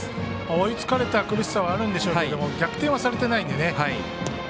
追いつかれた苦しさはあるんでしょうけど逆転はされてないのでね。